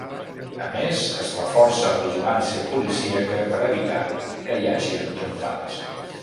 A més, es reforça la vigilància policíaca per a evitar que hi hagi entrompades.